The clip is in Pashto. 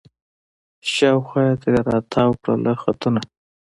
شاوخوا یې ترې را تاوکړله خطونه